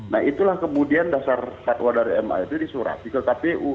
nah itulah kemudian dasar fatwa dari ma itu disurapi ke kpu